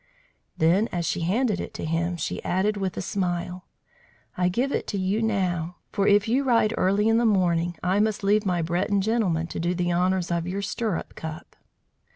Then, as she handed it to him, she added with a smile, "I give it to you now, for if you ride early in the morning, I must leave my Breton gentlemen to do the honours of your stirrup cup."